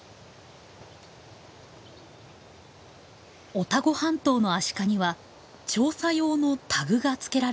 オタゴ半島のアシカには調査用のタグがつけられています。